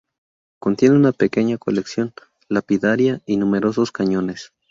Contiene una pequeña colección lapidaria y numerosos cañones.